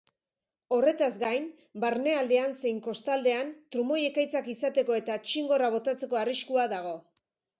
Horretaz gain, barnealdean zein kostaldean trumoi-ekaitzak izateko eta txingorra botatzeko arriskua dago.